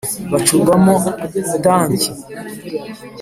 bucurwamo tanki,